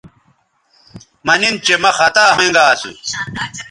مہ نن چہ مہ خطا ھوینگا اسو